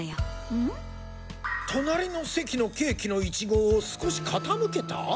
隣の席のケーキの苺を少し傾けた？